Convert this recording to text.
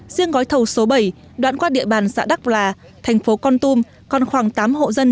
riêng gói thầu số bảy đoạn qua địa bàn xã đắc là thành phố con tum còn khoảng tám hộ dân